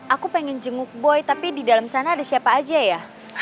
aku pengen jenguk boy tapi di dalam sana ada siapa aja ya